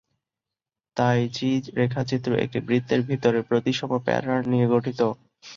তাই চি রেখাচিত্র একটি বৃত্তের ভিতরে প্রতিসম প্যাটার্ন নিয়ে গঠিত।